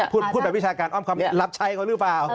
พูดแบบวิชาการอ้อมคำนี้รับใช้เขาหรือเปล่า